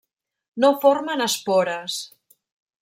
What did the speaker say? No formen espores.